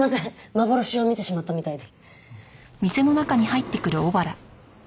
幻を見てしまったみたいで。